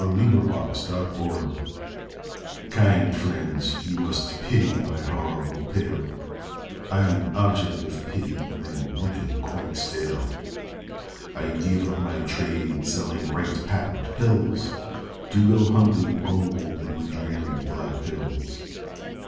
THE DREARY BLACK HILLS Kind friends, you must pity my horrible tale, I am an object of pity, I am looking quite stale, I gave up my trade selling Right's Patent Pills To go hunting gold in the dreary Black Hills.